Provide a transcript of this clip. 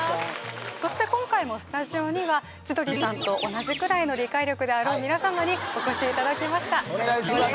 そして今回もスタジオには千鳥さんと同じくらいの理解力であるみなさまにお越しいただきましたお願いします